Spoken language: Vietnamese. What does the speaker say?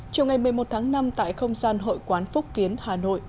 chiều ngày một mươi một tháng năm tại không gian hội quán phúc kiến hà nội